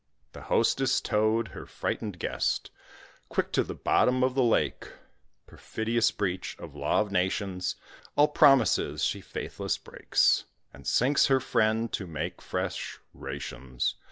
The hostess towed her frightened guest Quick to the bottom of the lake Perfidious breach of law of nations All promises she faithless breaks, And sinks her friend to make fresh rations.